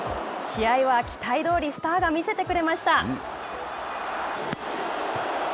試合は期待どおりスターが見せてくれました。